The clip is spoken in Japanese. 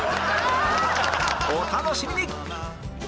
お楽しみに！